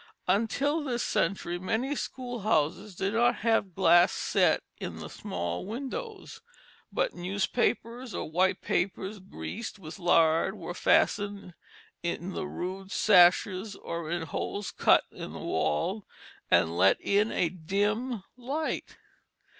Until this century many schoolhouses did not have glass set in the small windows, but newspapers or white papers greased with lard were fastened in the rude sashes, or in holes cut in the wall, and let in a dim light.